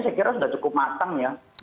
saya kira sudah cukup matang ya